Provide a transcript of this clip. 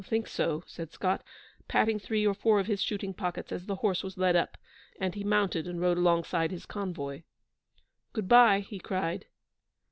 'Think so,' said Scott, patting three or four of his shooting pockets as the horse was led up, and he mounted and rode alongside his convoy. 'Good bye,' he cried.